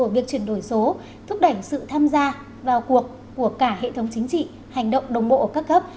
việc chuyển đổi số thúc đẩy sự tham gia vào cuộc của cả hệ thống chính trị hành động đồng bộ ở các cấp